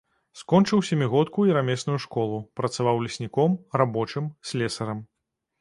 Скончыў сямігодку і рамесную школу, працаваў лесніком, рабочым, слесарам.